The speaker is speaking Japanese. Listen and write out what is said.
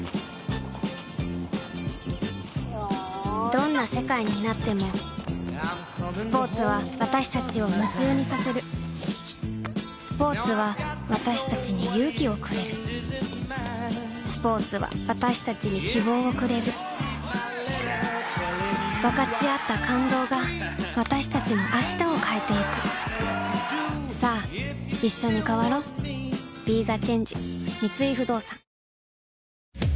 どんな世界になってもスポーツは私たちを夢中にさせるスポーツは私たちに勇気をくれるスポーツは私たちに希望をくれる分かち合った感動が私たちの明日を変えてゆくさあいっしょに変わろう［今夜は］